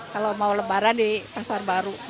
kalau mau lebaran di pasar baru